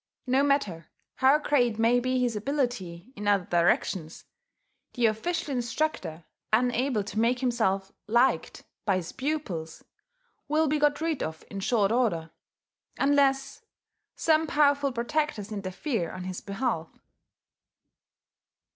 No matter how great may be his ability in other directions, the official instructor, unable to make himself liked by his pupils, will be got rid of in short order unless some powerful protectors interfere on his behalf.